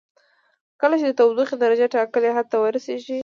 کله چې د تودوخې درجه ټاکلي حد ته ورسیږي.